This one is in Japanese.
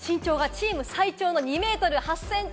身長はチーム最長の２ｍ８ｃｍ。